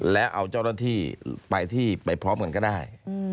แล้วเอาเจ้าหน้าที่ไปที่ไปพร้อมกันก็ได้